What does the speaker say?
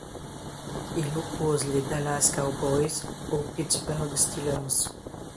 Il oppose les Dallas Cowboys aux Pittsburgh Steelers.